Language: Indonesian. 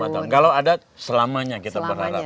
tiga puluh lima tahun kalau adat selamanya kita berharap